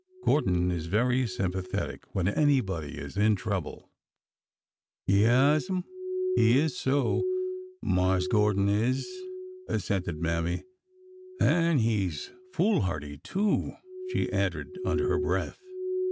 Gor don is very sympathetic when anybody is in trouble." Yaas'm, he is so,— Marse Gordon is." assented DAVID— 239 Mammy,— '' an' he 's foolhardy, too!" she added under her breath.